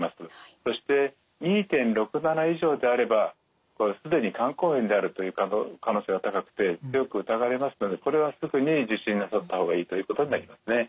そして２．６７以上であれば既に肝硬変であるという可能性が高くて強く疑われますのでこれはすぐに受診なさった方がいいということになりますね。